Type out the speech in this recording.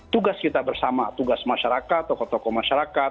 tugas kita bersama tugas masyarakat tokoh tokoh masyarakat